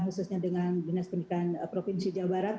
khususnya dengan dinas pendidikan provinsi jawa barat